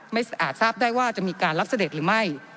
อาจทราบได้ว่าจะมีการรับเสด็จหรือไม่